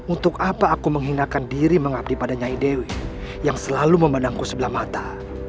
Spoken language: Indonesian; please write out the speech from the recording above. untuk apa aku menghinakan diri mengabdi pada nyai dewi yang selalu memandangku sebelah mata